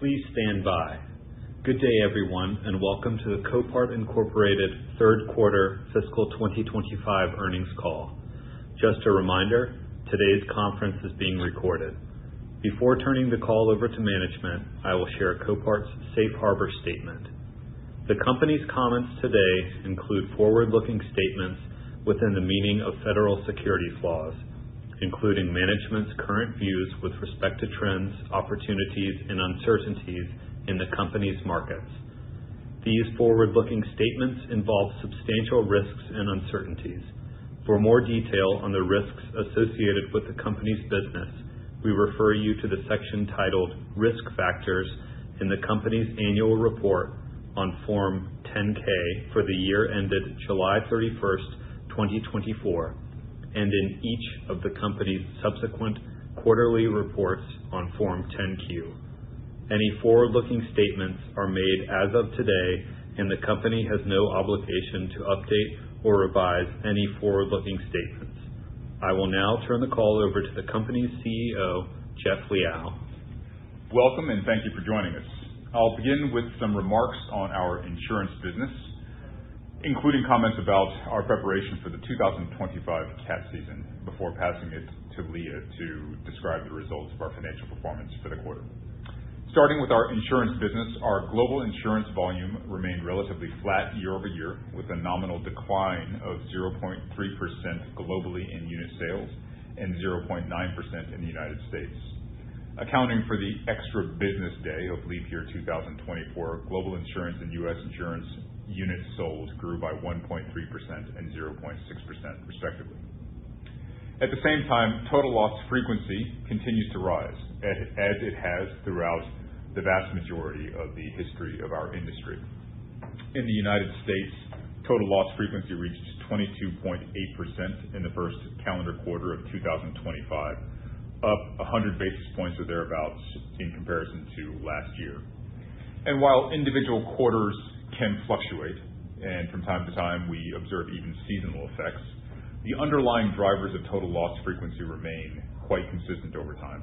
Please stand by. Good day, everyone, and welcome to the Copart Third Quarter Fiscal 2025 Earnings Call. Just a reminder, today's conference is being recorded. Before turning the call over to management, I will share Copart's Safe Harbor Statement. The company's comments today include forward-looking statements within the meaning of federal securities laws, including management's current views with respect to trends, opportunities, and uncertainties in the company's markets. These forward-looking statements involve substantial risks and uncertainties. For more detail on the risks associated with the company's business, we refer you to the section titled Risk Factors in the company's annual report on Form 10-K for the year ended July 31, 2024, and in each of the company's subsequent quarterly reports on Form 10-Q. Any forward-looking statements are made as of today, and the company has no obligation to update or revise any forward-looking statements. I will now turn the call over to the company's CEO, Jeff Liaw. Welcome, and thank you for joining us. I'll begin with some remarks on our insurance business, including comments about our preparation for the 2025 tax season before passing it to Leah to describe the results of our financial performance for the quarter. Starting with our insurance business, our global insurance volume remained relatively flat year-over-year, with a nominal decline of 0.3% globally in unit sales and 0.9% in the United States. Accounting for the extra business day of leap year 2024, global insurance and U.S. insurance units sold grew by 1.3% and 0.6%, respectively. At the same time, total loss frequency continues to rise as it has throughout the vast majority of the history of our industry. In the United States, total loss frequency reached 22.8% in the first calendar quarter of 2025, up 100 basis points or thereabouts in comparison to last year. While individual quarters can fluctuate, and from time to time we observe even seasonal effects, the underlying drivers of total loss frequency remain quite consistent over time.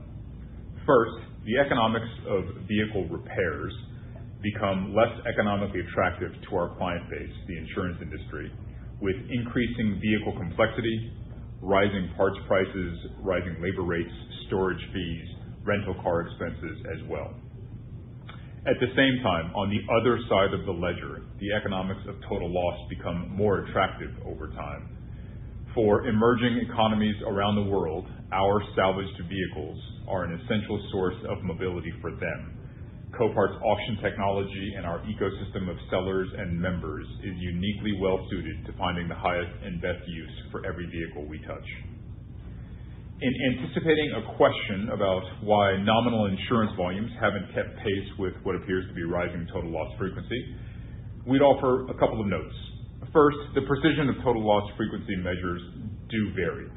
First, the economics of vehicle repairs become less economically attractive to our client base, the insurance industry, with increasing vehicle complexity, rising parts prices, rising labor rates, storage fees, and rental car expenses as well. At the same time, on the other side of the ledger, the economics of total loss become more attractive over time. For emerging economies around the world, our salvaged vehicles are an essential source of mobility for them. Copart's auction technology and our ecosystem of sellers and members is uniquely well-suited to finding the highest and best use for every vehicle we touch. In anticipating a question about why nominal insurance volumes have not kept pace with what appears to be rising total loss frequency, we would offer a couple of notes. First, the precision of total loss frequency measures does vary.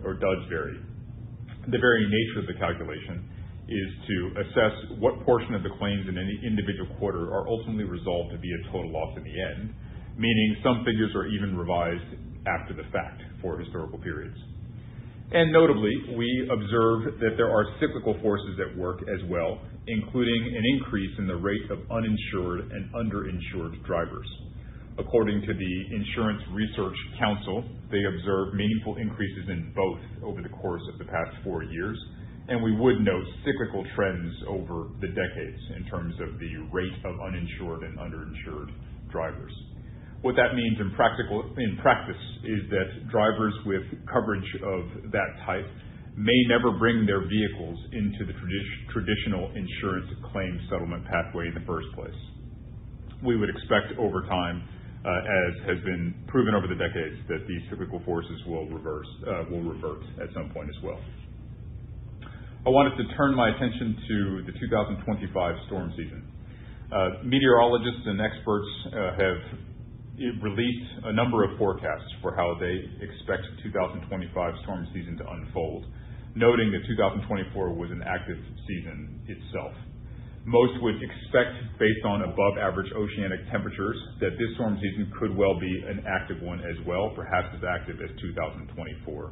The very nature of the calculation is to assess what portion of the claims in any individual quarter are ultimately resolved to be a total loss in the end, meaning some figures are even revised after the fact for historical periods. Notably, we observe that there are cyclical forces at work as well, including an increase in the rate of uninsured and underinsured drivers. According to the Insurance Research Council, they observe meaningful increases in both over the course of the past four years, and we would note cyclical trends over the decades in terms of the rate of uninsured and underinsured drivers. What that means in practice is that drivers with coverage of that type may never bring their vehicles into the traditional insurance claim settlement pathway in the first place. We would expect over time, as has been proven over the decades, that these cyclical forces will revert at some point as well. I wanted to turn my attention to the 2025 storm season. Meteorologists and experts have released a number of forecasts for how they expect the 2025 storm season to unfold, noting that 2024 was an active season itself. Most would expect, based on above-average oceanic temperatures, that this storm season could well be an active one as well, perhaps as active as 2024.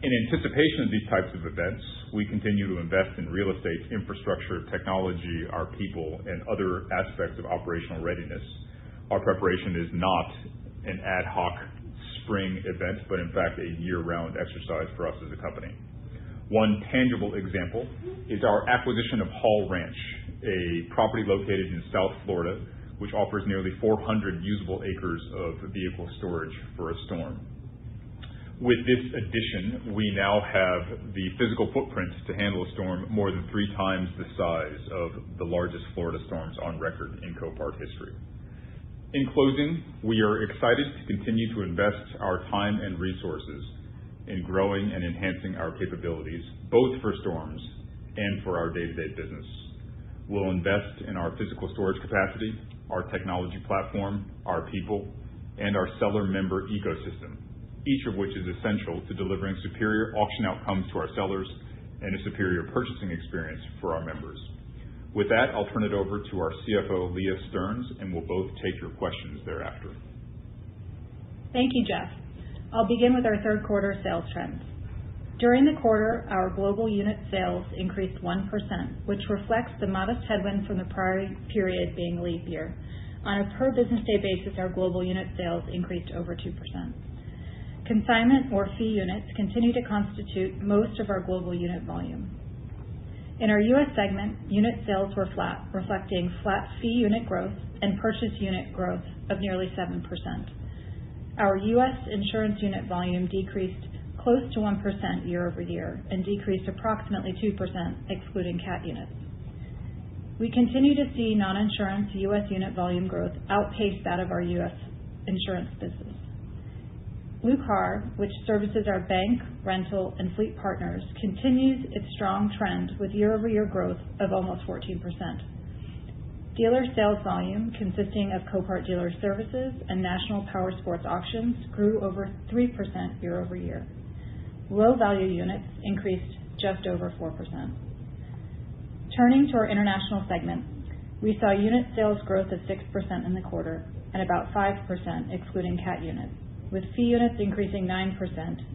In anticipation of these types of events, we continue to invest in real estate, infrastructure, technology, our people, and other aspects of operational readiness. Our preparation is not an ad hoc spring event, but in fact a year-round exercise for us as a company. One tangible example is our acquisition of Hall Ranch, a property located in South Florida, which offers nearly 400 usable acres of vehicle storage for a storm. With this addition, we now have the physical footprint to handle a storm more than three times the size of the largest Florida storms on record in Copart history. In closing, we are excited to continue to invest our time and resources in growing and enhancing our capabilities, both for storms and for our day-to-day business. We'll invest in our physical storage capacity, our technology platform, our people, and our seller-member ecosystem, each of which is essential to delivering superior auction outcomes to our sellers and a superior purchasing experience for our members. With that, I'll turn it over to our CFO, Leah Stearns, and we'll both take your questions thereafter. Thank you, Jeff. I'll begin with our third quarter sales trends. During the quarter, our global unit sales increased 1%, which reflects the modest headwind from the prior period being leap year. On a per-business-day basis, our global unit sales increased over 2%. Consignment or fee units continue to constitute most of our global unit volume. In our U.S. segment, unit sales were flat, reflecting flat fee unit growth and purchase unit growth of nearly 7%. Our U.S. insurance unit volume decreased close to 1% year-over-year and decreased approximately 2%, excluding CAT units. We continue to see non-insurance U.S. unit volume growth outpace that of our U.S. insurance business. Blue Car, which services our bank, rental, and fleet partners, continues its strong trend with year-over-year growth of almost 14%. Dealer sales volume, consisting of Copart Dealer Services and National Power Sports Auctions, grew over 3% year-over-year. Low-value units increased just over 4%. Turning to our international segment, we saw unit sales growth of 6% in the quarter and about 5%, excluding CAT units, with fee units increasing 9%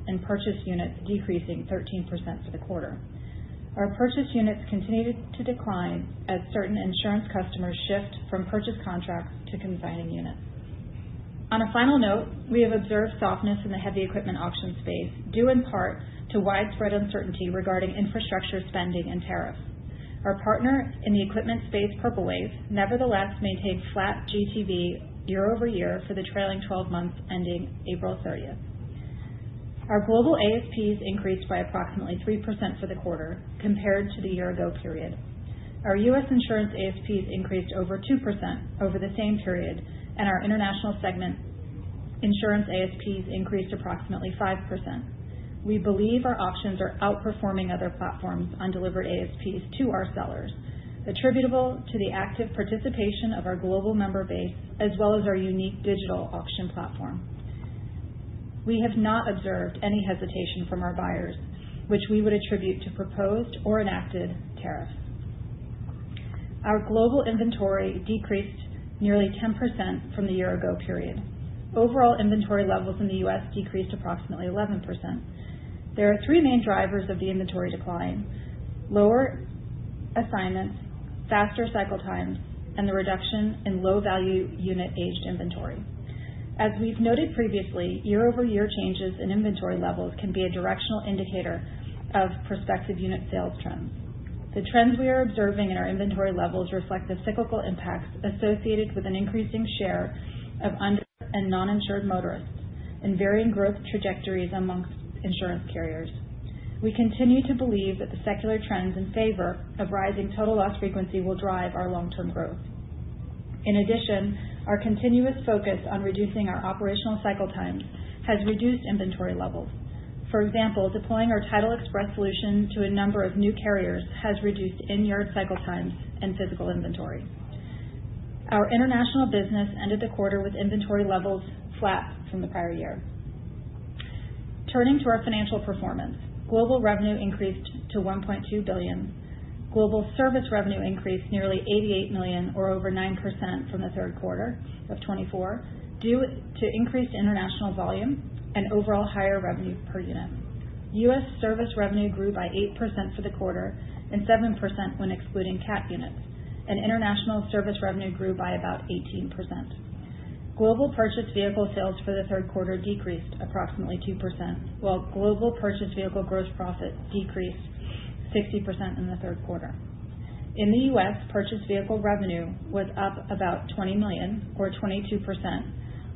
and purchase units decreasing 13% for the quarter. Our purchase units continued to decline as certain insurance customers shift from purchase contracts to consigning units. On a final note, we have observed softness in the heavy equipment auction space due in part to widespread uncertainty regarding infrastructure spending and tariffs. Our partner in the equipment space, Purple Wave, nevertheless maintained flat GTV year-over-year for the trailing 12 months ending April 30. Our global ASPs increased by approximately 3% for the quarter compared to the year-ago period. Our U.S. insurance ASPs increased over 2% over the same period, and our international segment insurance ASPs increased approximately 5%. We believe our auctions are outperforming other platforms on delivered ASPs to our sellers, attributable to the active participation of our global member base as well as our unique digital auction platform. We have not observed any hesitation from our buyers, which we would attribute to proposed or enacted tariffs. Our global inventory decreased nearly 10% from the year-ago period. Overall inventory levels in the U.S. decreased approximately 11%. There are three main drivers of the inventory decline: lower assignments, faster cycle times, and the reduction in low-value unit-aged inventory. As we've noted previously, year-over-year changes in inventory levels can be a directional indicator of prospective unit sales trends. The trends we are observing in our inventory levels reflect the cyclical impacts associated with an increasing share of under- and non-insured motorists and varying growth trajectories amongst insurance carriers. We continue to believe that the secular trends in favor of rising total loss frequency will drive our long-term growth. In addition, our continuous focus on reducing our operational cycle times has reduced inventory levels. For example, deploying our Title Express solution to a number of new carriers has reduced in-yard cycle times and physical inventory. Our international business ended the quarter with inventory levels flat from the prior year. Turning to our financial performance, global revenue increased to $1.2 billion. Global service revenue increased nearly $88 million, or over 9%, from the third quarter of 2024 due to increased international volume and overall higher revenue per unit. U.S. service revenue grew by 8% for the quarter and 7% when excluding CAT units, and international service revenue grew by about 18%. Global purchase vehicle sales for the third quarter decreased approximately 2%, while global purchase vehicle gross profit decreased 60% in the third quarter. In the U.S., purchase vehicle revenue was up about $20 million, or 22%,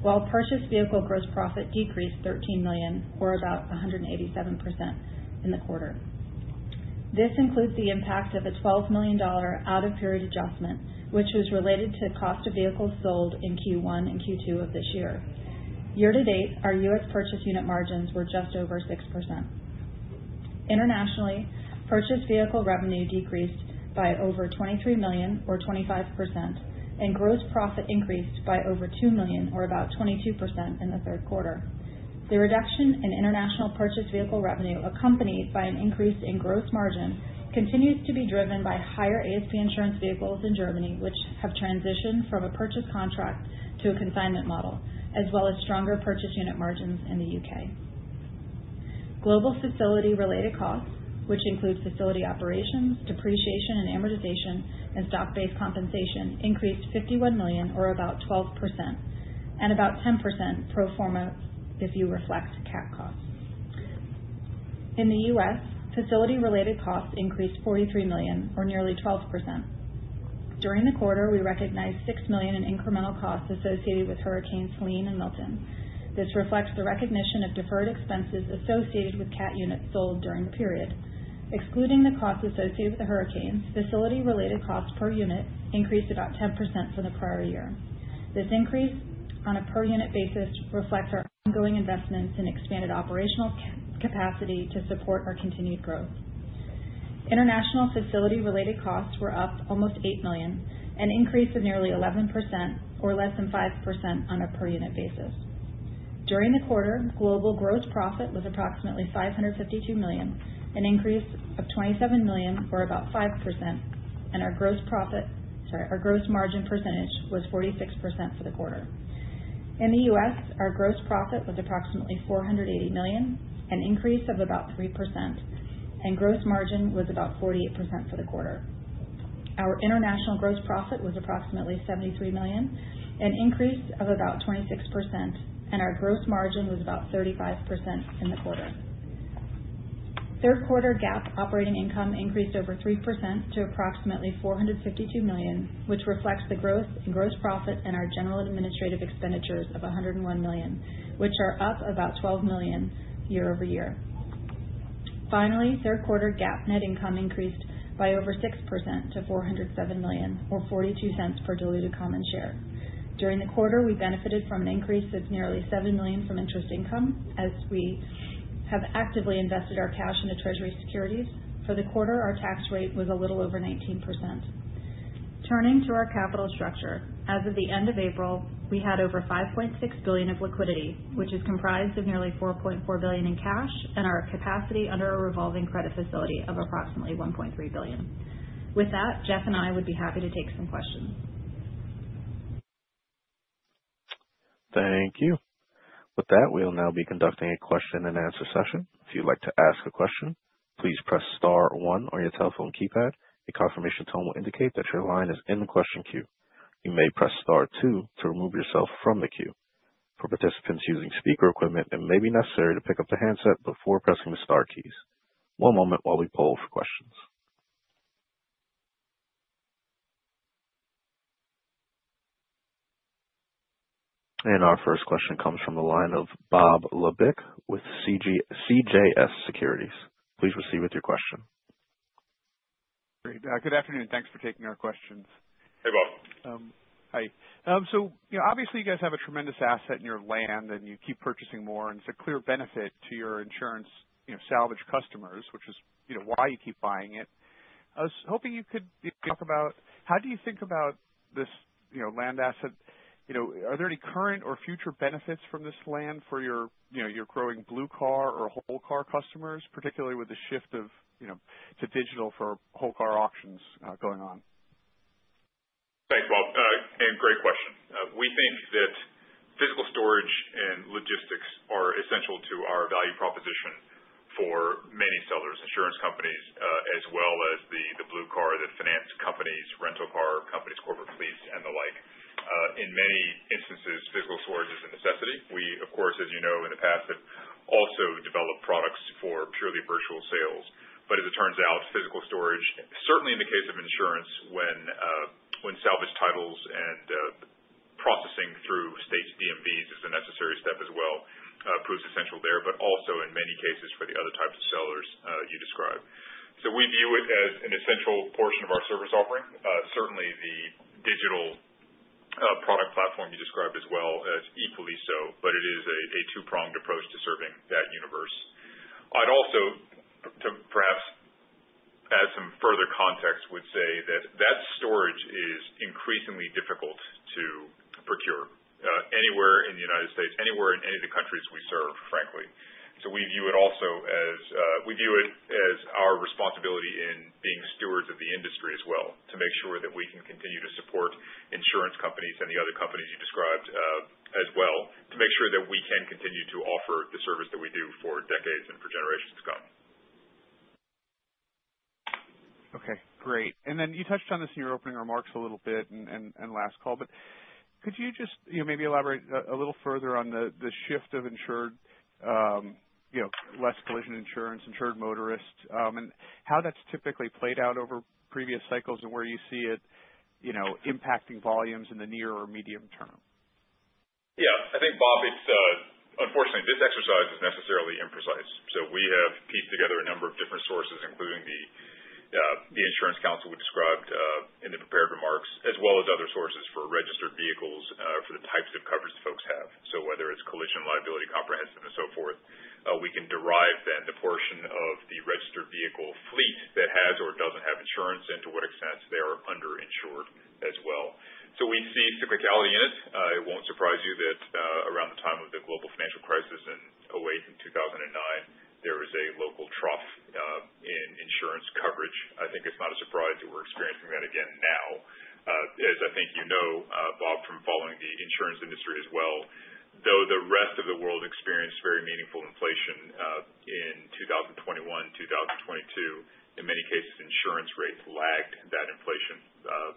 while purchase vehicle gross profit decreased $13 million, or about 187%, in the quarter. This includes the impact of a $12 million out-of-period adjustment, which was related to the cost of vehicles sold in Q1 and Q2 of this year. Year to date, our U.S. purchase unit margins were just over 6%. Internationally, purchase vehicle revenue decreased by over $23 million, or 25%, and gross profit increased by over $2 million, or about 22%, in the third quarter. The reduction in international purchase vehicle revenue, accompanied by an increase in gross margin, continues to be driven by higher ASP insurance vehicles in Germany, which have transitioned from a purchase contract to a consignment model, as well as stronger purchase unit margins in the U.K. Global facility-related costs, which include facility operations, depreciation and amortization, and stock-based compensation, increased $51 million, or about 12%, and about 10% pro forma if you reflect CAT costs. In the U.S., facility-related costs increased $43 million, or nearly 12%. During the quarter, we recognized $6 million in incremental costs associated with Hurricanes Helene and Milton. This reflects the recognition of deferred expenses associated with CAT units sold during the period. Excluding the costs associated with the hurricanes, facility-related costs per unit increased about 10% from the prior year. This increase on a per-unit basis reflects our ongoing investments and expanded operational capacity to support our continued growth. International facility-related costs were up almost $8 million, an increase of nearly 11%, or less than 5% on a per-unit basis. During the quarter, global gross profit was approximately $552 million, an increase of $27 million, or about 5%, and our gross profit—sorry, our gross margin percentage was 46% for the quarter. In the U.S., our gross profit was approximately $480 million, an increase of about 3%, and gross margin was about 48% for the quarter. Our international gross profit was approximately $73 million, an increase of about 26%, and our gross margin was about 35% in the quarter. Third quarter GAAP operating income increased over 3% to approximately $452 million, which reflects the growth in gross profit and our general administrative expenditures of $101 million, which are up about $12 million year-over-year. Finally, third quarter GAAP net income increased by over 6% to $407 million, or $0.42 per diluted common share. During the quarter, we benefited from an increase of nearly $7 million from interest income as we have actively invested our cash into treasury securities. For the quarter, our tax rate was a little over 19%. Turning to our capital structure, as of the end of April, we had over $5.6 billion of liquidity, which is comprised of nearly $4.4 billion in cash and our capacity under a revolving credit facility of approximately $1.3 billion. With that, Jeff and I would be happy to take some questions. Thank you. With that, we'll now be conducting a question and answer session. If you'd like to ask a question, please press star one on your telephone keypad. A confirmation tone will indicate that your line is in the question queue. You may press star two to remove yourself from the queue. For participants using speaker equipment, it may be necessary to pick up the handset before pressing the star keys. One moment while we poll for questions. Our first question comes from the line of Bob Labick with CJS Securities. Please proceed with your question. Great. Good afternoon. Thanks for taking our questions. Hey, Bob. Hi. Obviously, you guys have a tremendous asset in your land, and you keep purchasing more. It is a clear benefit to your insurance salvage customers, which is why you keep buying it. I was hoping you could talk about how you think about this land asset. Are there any current or future benefits from this land for your growing blue car or whole car customers, particularly with the shift to digital for whole car auctions going on? Thanks, Bob. Again, great question. We think that physical storage and logistics are essential to our value proposition for many sellers, insurance companies, as well as the blue car, the finance companies, rental car companies, corporate fleets, and the like. In many instances, physical storage is a necessity. We, of course, as you know, in the past have also developed products for purely virtual sales. As it turns out, physical storage, certainly in the case of insurance, when salvage titles and processing through state DMVs is a necessary step as well, proves essential there, but also in many cases for the other types of sellers you describe. We view it as an essential portion of our service offering. Certainly, the digital product platform you described as well is equally so, but it is a two-pronged approach to serving that universe. I'd also, perhaps add some further context, would say that storage is increasingly difficult to procure anywhere in the United States, anywhere in any of the countries we serve, frankly. We view it also as our responsibility in being stewards of the industry as well to make sure that we can continue to support insurance companies and the other companies you described as well to make sure that we can continue to offer the service that we do for decades and for generations to come. Okay. Great. You touched on this in your opening remarks a little bit in last call, but could you just maybe elaborate a little further on the shift of insured, less collision insurance, insured motorists, and how that's typically played out over previous cycles and where you see it impacting volumes in the near or medium term? Yeah. I think, Bob, unfortunately, this exercise is necessarily imprecise. We have pieced together a number of different sources, including the Insurance Research Council we described in the prepared remarks, as well as other sources for registered vehicles for the types of coverage folks have. Whether it is collision, liability, comprehensive, and so forth, we can derive then the portion of the registered vehicle fleet that has or does not have insurance and to what extent they are underinsured as well. We see cyclicality in it. It will not surprise you that around the time of the global financial crisis in away 2009, there was a local trough in insurance coverage. I think it is not a surprise that we are experiencing that again now. As I think you know, Bob, from following the insurance industry as well, though the rest of the world experienced very meaningful inflation in 2021, 2022, in many cases, insurance rates lagged that inflation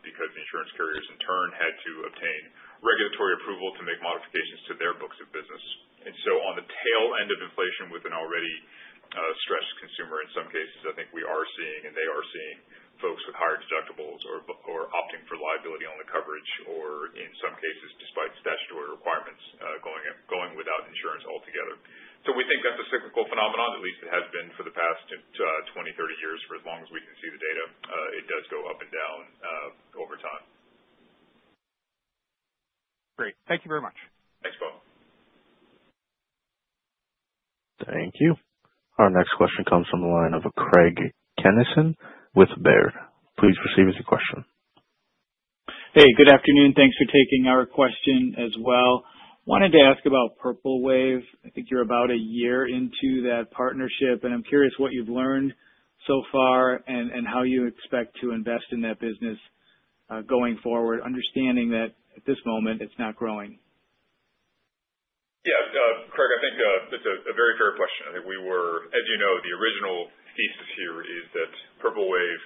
because insurance carriers, in turn, had to obtain regulatory approval to make modifications to their books of business. On the tail end of inflation with an already stressed consumer in some cases, I think we are seeing and they are seeing folks with higher deductibles or opting for liability-only coverage or, in some cases, despite statutory requirements, going without insurance altogether. We think that's a cyclical phenomenon. At least it has been for the past 20-30 years. For as long as we can see the data, it does go up and down over time. Great. Thank you very much. Thanks, Bob. Thank you. Our next question comes from the line of Craig Kennison with Baird. Please proceed with your question. Hey, good afternoon. Thanks for taking our question as well. Wanted to ask about Purple Wave. I think you're about a year into that partnership, and I'm curious what you've learned so far and how you expect to invest in that business going forward, understanding that at this moment, it's not growing. Yeah. Craig, I think that's a very fair question. I think we were, as you know, the original thesis here is that Purple Wave,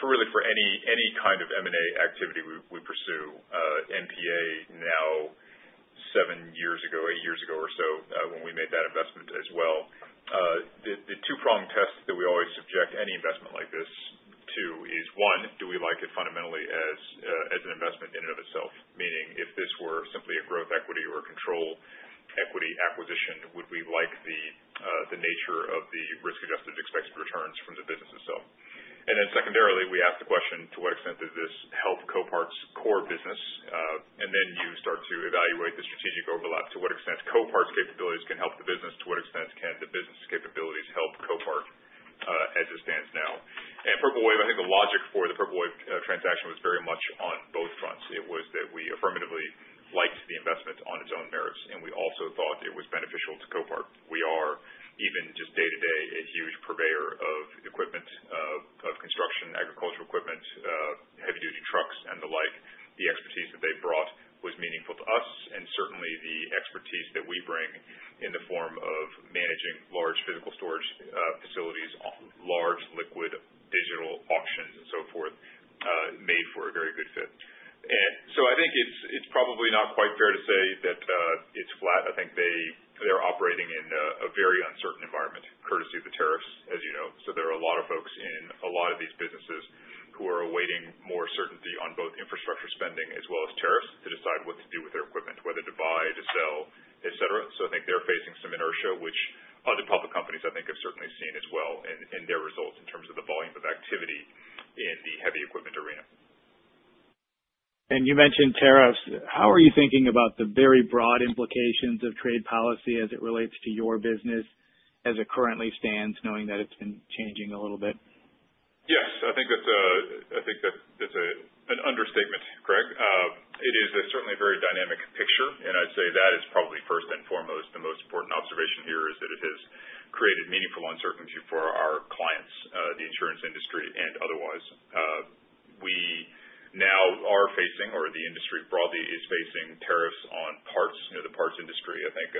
really for any kind of M&A activity we pursue, MPA now seven years ago, eight years ago or so when we made that investment as well. The two-pronged test that we always subject any investment like this to is, one, do we like it fundamentally as an investment in and of itself? Meaning, if this were simply a growth equity or a control equity acquisition, would we like the nature of the risk-adjusted expected returns from the business itself? Secondarily, we ask the question, to what extent does this help Copart's core business? You start to evaluate the strategic overlap. To what extent Copart's capabilities can help the business? To what extent can the business capabilities help Copart as it stands now? Purple Wave, I think the logic for the Purple Wave transaction was very much on both fronts. It was that we affirmatively liked the investment on its own merits, and we also thought it was beneficial to Copart. We are, even just day-to-day, a huge purveyor of equipment, of construction, agricultural equipment, heavy-duty trucks, and the like. The expertise that they brought was meaningful to us, and certainly the expertise that we bring in the form of managing large physical storage facilities, large liquid digital auctions, and so forth, made for a very good fit. I think it's probably not quite fair to say that it's flat. I think they're operating in a very uncertain environment courtesy of the tariffs, as you know. There are a lot of folks in a lot of these businesses who are awaiting more certainty on both infrastructure spending as well as tariffs to decide what to do with their equipment, whether to buy, to sell, etc. I think they are facing some inertia, which other public companies, I think, have certainly seen as well in their results in terms of the volume of activity in the heavy equipment arena. You mentioned tariffs. How are you thinking about the very broad implications of trade policy as it relates to your business as it currently stands, knowing that it's been changing a little bit? Yes. I think that's an understatement, Craig. It is certainly a very dynamic picture, and I'd say that is probably first and foremost the most important observation here is that it has created meaningful uncertainty for our clients, the insurance industry and otherwise. We now are facing, or the industry broadly is facing, tariffs on parts. The parts industry, I think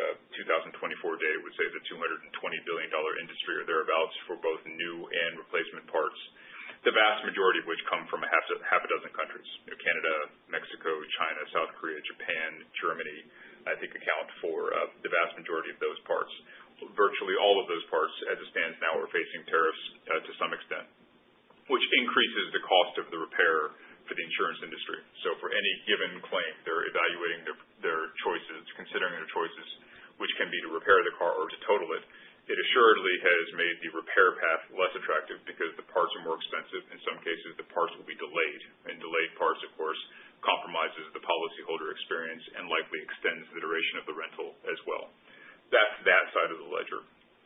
2024 data, would say the $220 billion industry or thereabouts for both new and replacement parts, the vast majority of which come from half a dozen countries: Canada, Mexico, China, South Korea, Japan, Germany, I think account for the vast majority of those parts. Virtually all of those parts, as it stands now, are facing tariffs to some extent, which increases the cost of the repair for the insurance industry. For any given claim, they're evaluating their choices, considering their choices, which can be to repair the car or to total it. It assuredly has made the repair path less attractive because the parts are more expensive. In some cases, the parts will be delayed, and delayed parts, of course, compromises the policyholder experience and likely extends the duration of the rental as well. That's that side of the ledger.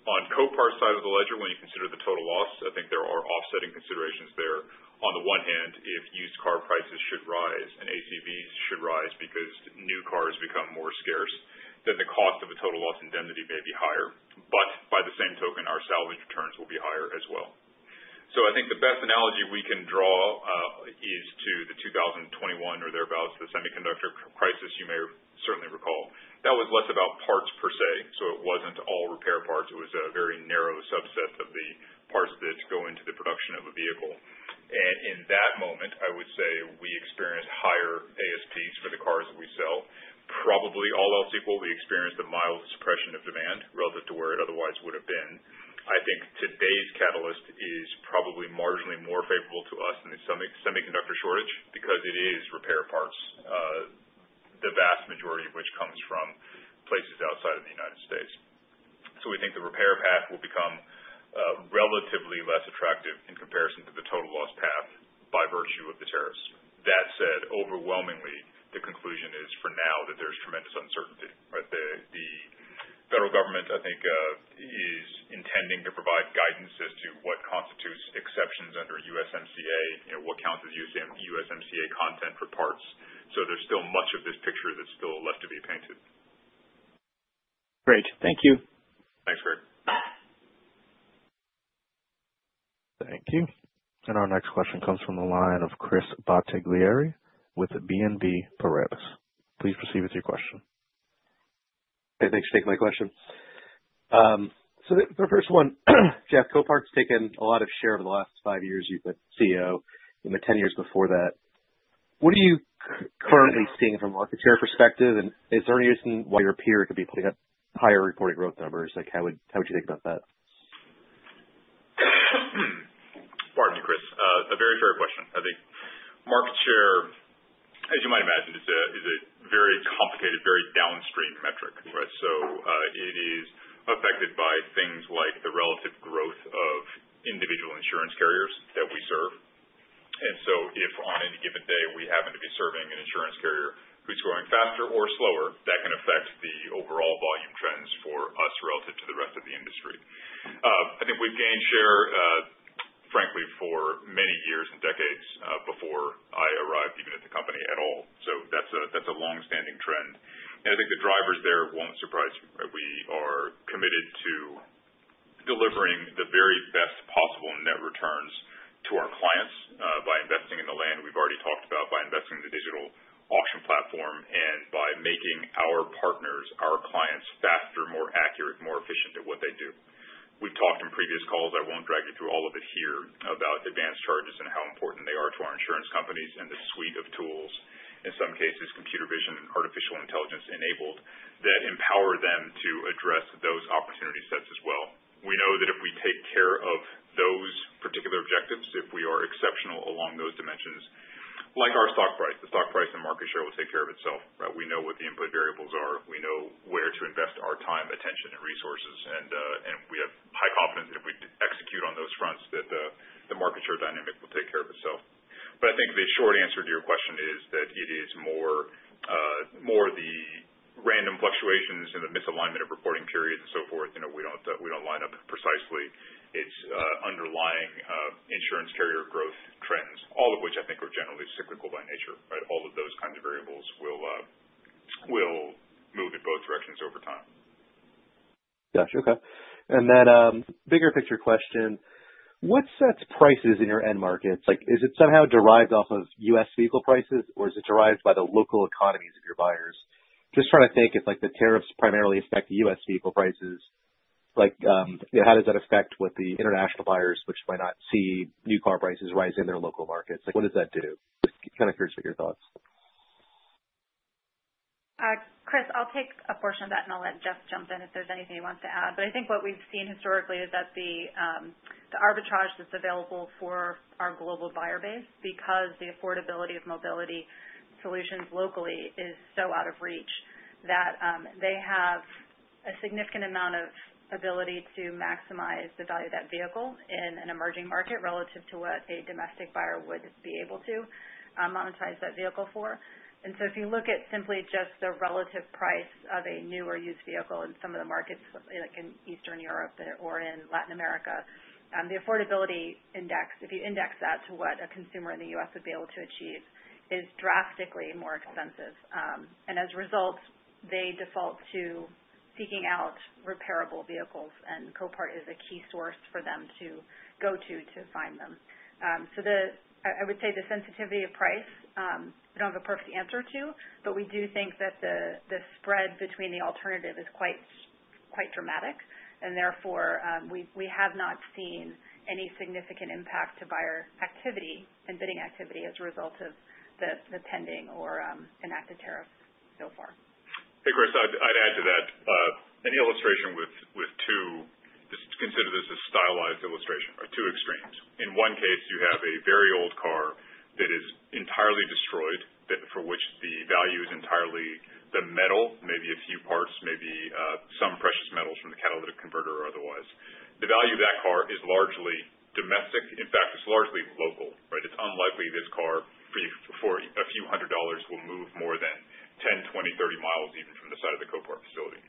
On Copart's side of the ledger, when you consider the total loss, I think there are offsetting considerations there. On the one hand, if used car prices should rise and ACVs should rise because new cars become more scarce, then the cost of a total loss indemnity may be higher. By the same token, our salvage returns will be higher as well. I think the best analogy we can draw is to the 2021 or thereabouts, the semiconductor crisis you may certainly recall. That was less about parts per se, so it was not all repair parts. It was a very narrow subset of the parts that go into the production of a vehicle. In that moment, I would say we experienced higher ASPs for the cars that we sell. Probably all else equal, we experienced a mild suppression of demand relative to where it otherwise would have been. I think today's catalyst is probably marginally more favorable to us than the semiconductor shortage because it is repair parts, the vast majority of which comes from places outside of the United States. We think the repair path will become relatively less attractive in comparison to the total loss path by virtue of the tariffs. That said, overwhelmingly, the conclusion is for now that there's tremendous uncertainty. The federal government, I think, is intending to provide guidance as to what constitutes exceptions under USMCA, what counts as USMCA content for parts. So there's still much of this picture that's still left to be painted. Great. Thank you. Thanks, Craig. Thank you. Our next question comes from the line of Chris Bottiglieri with BNP Paribas. Please proceed with your question. Hey, thanks for taking my question. The first one, Jeff, Copart's taken a lot of share over the last five years. You've been CEO in the 10 years before that. What are you currently seeing from a market share perspective? Is there any reason why your peer could be putting up higher reporting growth numbers? How would you think about that? Pardon me, Chris. A very fair question. I think market share, as you might imagine, is a very complicated, very downstream metric. It is affected by things like the relative growth of individual insurance carriers that we serve. If on any given day we happen to be serving an insurance carrier who is growing faster or slower, that can affect the overall volume trends for us relative to the rest of the industry. I think we have gained share, frankly, for many years and decades before I arrived even at the company at all. That is a long-standing trend. I think the drivers there will not surprise you. We are committed to delivering the very best possible net returns to our clients by investing in the land we have already talked about, by investing in the digital auction platform, and by making our partners, our clients, faster, more accurate, more efficient at what they do. We have talked in previous calls—I will not drag you through all of it here—about advanced charges and how important they are to our insurance companies and the suite of tools, in some cases, computer vision and artificial intelligence-enabled, that empower them to address those opportunity sets as well. We know that if we take care of those particular objectives, if we are exceptional along those dimensions, like our stock price, the stock price and market share will take care of itself. We know what the input variables are. We know where to invest our time, attention, and resources. We have high confidence that if we execute on those fronts, the market share dynamic will take care of itself. I think the short answer to your question is that it is more the random fluctuations and the misalignment of reporting periods and so forth. We do not line up precisely. It is underlying insurance carrier growth trends, all of which I think are generally cyclical by nature. All of those kinds of variables will move in both directions over time. Gotcha. Okay. Bigger picture question. What sets prices in your end markets? Is it somehow derived off of U.S. vehicle prices, or is it derived by the local economies of your buyers? Just trying to think if the tariffs primarily affect U.S. vehicle prices. How does that affect what the international buyers, which might not see new car prices rise in their local markets, what does that do? Just kind of curious about your thoughts. Chris, I'll take a portion of that, and I'll let Jeff jump in if there's anything he wants to add. I think what we've seen historically is that the arbitrage that's available for our global buyer base because the affordability of mobility solutions locally is so out of reach that they have a significant amount of ability to maximize the value of that vehicle in an emerging market relative to what a domestic buyer would be able to monetize that vehicle for. If you look at simply just the relative price of a new or used vehicle in some of the markets, like in Eastern Europe or in Latin America, the affordability index, if you index that to what a consumer in the U.S. would be able to achieve, is drastically more expensive. As a result, they default to seeking out repairable vehicles, and Copart is a key source for them to go to to find them. I would say the sensitivity of price, we do not have a perfect answer to, but we do think that the spread between the alternative is quite dramatic. Therefore, we have not seen any significant impact to buyer activity and bidding activity as a result of the pending or enacted tariffs so far. Hey, Chris, I'd add to that. An illustration with two—just consider this a stylized illustration—of two extremes. In one case, you have a very old car that is entirely destroyed, for which the value is entirely the metal, maybe a few parts, maybe some precious metals from the catalytic converter or otherwise. The value of that car is largely domestic. In fact, it's largely local. It's unlikely this car for a few hundred dollars will move more than 10, 20, 30 mi even from the site of the Copart facility.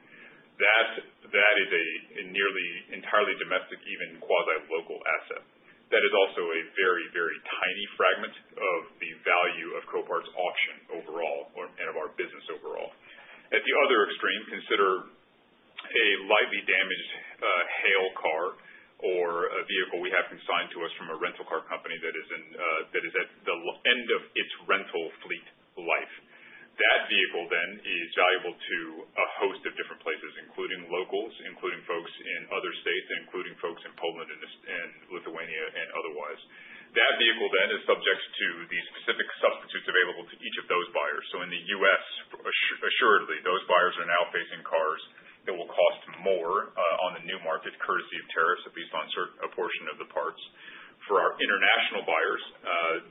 That is a nearly entirely domestic, even quater-local asset. That is also a very, very tiny fragment of the value of Copart's auction overall and of our business overall. At the other extreme, consider a lightly damaged hail car or a vehicle we have consigned to us from a rental car company that is at the end of its rental fleet life. That vehicle then is valuable to a host of different places, including locals, including folks in other states, including folks in Poland and Lithuania and otherwise. That vehicle then is subject to the specific substitutes available to each of those buyers. In the U.S., assuredly, those buyers are now facing cars that will cost more on the new market courtesy of tariffs, at least on a portion of the parts. For our international buyers,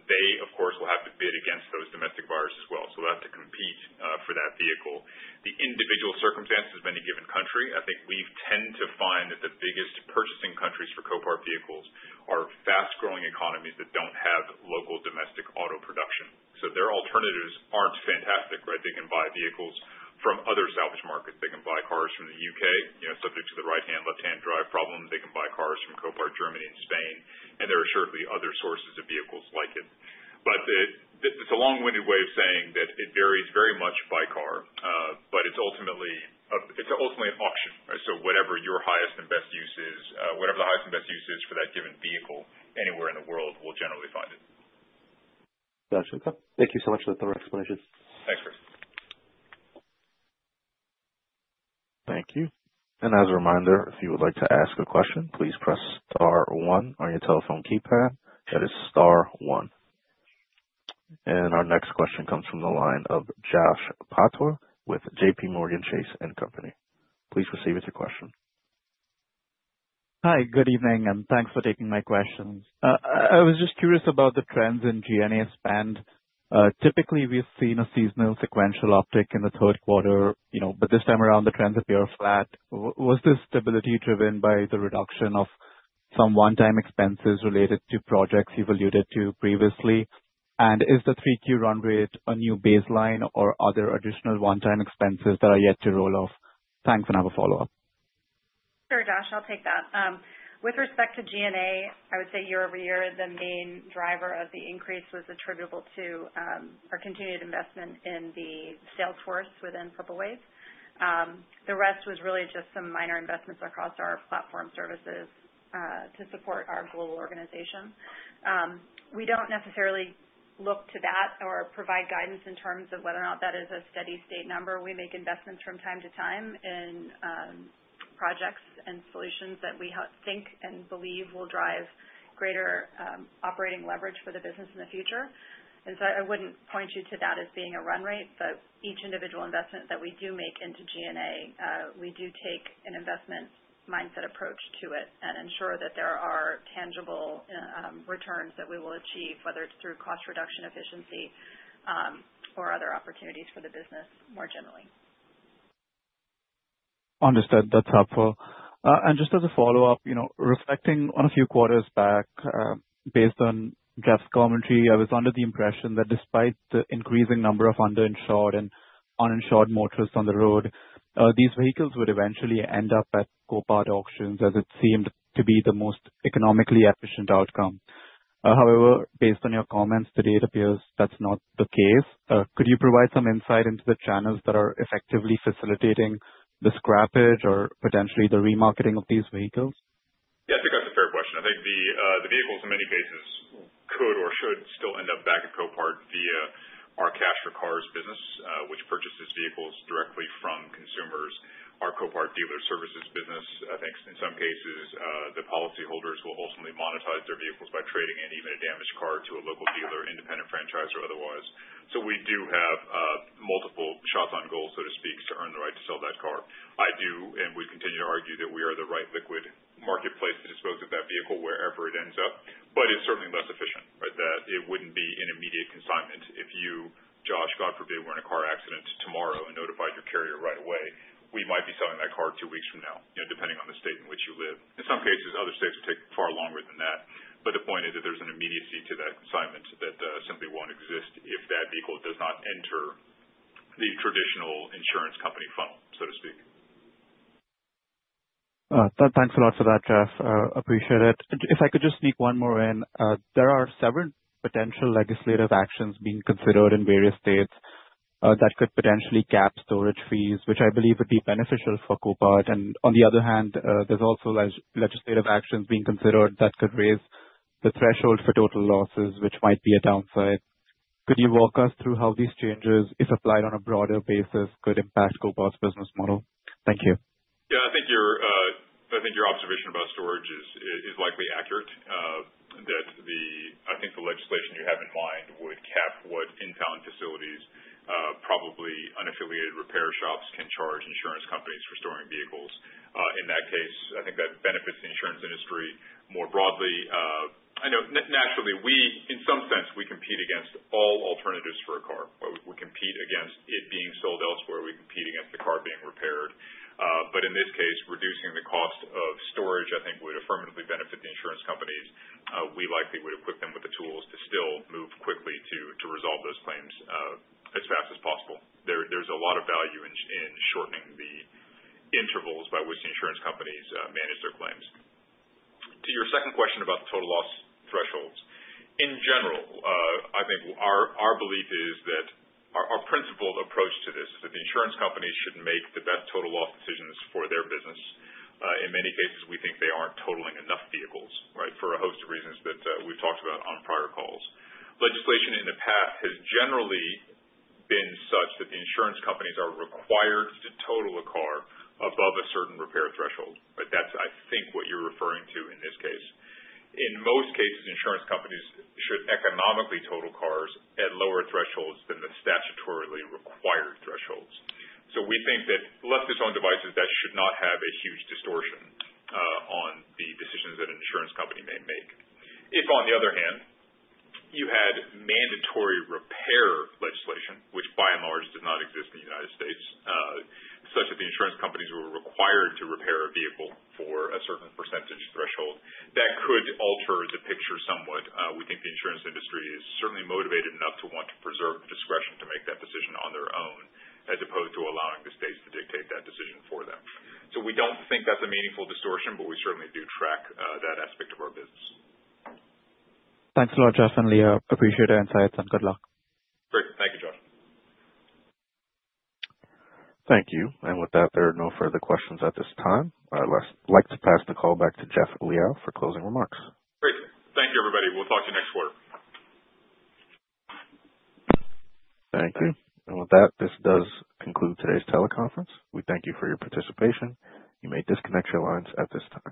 they, of course, will have to bid against those domestic buyers as well. They will have to compete for that vehicle. The individual circumstances of any given country, I think we tend to find that the biggest purchasing countries for Copart vehicles are fast-growing economies that do not have local domestic auto production. Their alternatives are not fantastic. They can buy vehicles from other salvage markets. They can buy cars from the U.K., subject to the right-hand, left-hand drive problem. They can buy cars from Copart, Germany, and Spain, and there are assuredly other sources of vehicles like it. It is a long-winded way of saying that it varies very much by car, but it is ultimately an auction. Whatever your highest and best use is, whatever the highest and best use is for that given vehicle anywhere in the world, we will generally find it. Gotcha. Okay. Thank you so much for the thorough explanation. Thanks, Chris. Thank you. As a reminder, if you would like to ask a question, please press star one on your telephone keypad. That is star one. Our next question comes from the line of Jash Patwa with JPMorgan Chase & Co. Please proceed with your question. Hi, good evening, and thanks for taking my questions. I was just curious about the trends in GNA spend. Typically, we've seen a seasonal sequential uptick in the third quarter, but this time around, the trends appear flat. Was this stability driven by the reduction of some one-time expenses related to projects you've alluded to previously? Is the 3Q run rate a new baseline, or are there additional one-time expenses that are yet to roll off? Thanks, and I have a follow-up. Sure, Jash. I'll take that. With respect to GNA, I would say year over year, the main driver of the increase was attributable to our continued investment in the sales force within Purple Wave. The rest was really just some minor investments across our platform services to support our global organization. We do not necessarily look to that or provide guidance in terms of whether or not that is a steady-state number. We make investments from time to time in projects and solutions that we think and believe will drive greater operating leverage for the business in the future. I would not point you to that as being a run rate, but each individual investment that we do make into GNA, we do take an investment mindset approach to it and ensure that there are tangible returns that we will achieve, whether it is through cost reduction, efficiency, or other opportunities for the business more generally. Understood. That's helpful. Just as a follow-up, reflecting on a few quarters back, based on Jeff's commentary, I was under the impression that despite the increasing number of underinsured and uninsured motorists on the road, these vehicles would eventually end up at Copart auctions as it seemed to be the most economically efficient outcome. However, based on your comments today, it appears that's not the case. Could you provide some insight into the channels that are effectively facilitating the scrappage or potentially the remarketing of these vehicles? Yeah, I think that's a fair question. I think the vehicles in many cases could or should still end up back at Copart via our cash-for-cars business, which purchases vehicles directly from consumers, our Copart dealer services business. I think in some cases, the policyholders will ultimately monetize their vehicles by trading in even a damaged car to a local dealer, independent franchise, or otherwise. We do have multiple shots on goal, so to speak, to earn the right to sell that car. I do, and we continue to argue that we are the right liquid marketplace to dispose of that vehicle wherever it ends up, but it's certainly less efficient. It would not be an immediate consignment if you, Jash, God forbid, were in a car accident tomorrow and notified your carrier right away. We might be selling that car two weeks from now, depending on the state in which you live. In some cases, other states will take far longer than that. The point is that there's an immediacy to that consignment that simply won't exist if that vehicle does not enter the traditional insurance company funnel, so to speak. Thanks a lot for that, Jeff. Appreciate it. If I could just sneak one more in. There are several potential legislative actions being considered in various states that could potentially cap storage fees, which I believe would be beneficial for Copart. On the other hand, there's also legislative actions being considered that could raise the threshold for total losses, which might be a downside. Could you walk us through how these changes, if applied on a broader basis, could impact Copart's business model? Thank you. Yeah, I think your observation about storage is likely accurate, that I think the legislation you have in mind would cap what in-town facilities, probably unaffiliated repair shops, can charge insurance companies for storing vehicles. In that case, I think that benefits the insurance industry more broadly. I know naturally, in some sense, we compete against all alternatives for a car. We compete against it being sold elsewhere. We compete against the car being repaired. In this case, reducing the cost of storage, I think, would affirmatively benefit the insurance companies. We likely would equip them with the tools to still move quickly to resolve those claims as fast as possible. There's a lot of value in shortening the intervals by which the insurance companies manage their claims. To your second question about the total loss thresholds, in general, I think our belief is that our principled approach to this is that the insurance companies should make the best total loss decisions for their business. In many cases, we think they aren't totaling enough vehicles for a host of reasons that we've talked about on prior calls. Legislation in the past has generally been such that the insurance companies are required to total a car above a certain repair threshold. That's, I think, what you're referring to in this case. In most cases, insurance companies should economically total cars at lower thresholds than the statutorily required thresholds. We think that left to its own devices, that should not have a huge distortion on the decisions that an insurance company may make. If, on the other hand, you had mandatory repair legislation, which by and large does not exist in the U.S., such that the insurance companies were required to repair a vehicle for a certain percent threshold, that could alter the picture somewhat. We think the insurance industry is certainly motivated enough to want to preserve discretion to make that decision on their own, as opposed to allowing the states to dictate that decision for them. We do not think that is a meaningful distortion, but we certainly do track that aspect of our business. Thanks a lot, Jeff and Leah. Appreciate your insights and good luck. Great. Thank you, Jash. Thank you. With that, there are no further questions at this time. I'd like to pass the call back to Jeff and Leah for closing remarks. Great. Thank you, everybody. We'll talk to you next quarter. Thank you. With that, this does conclude today's teleconference. We thank you for your participation. You may disconnect your lines at this time.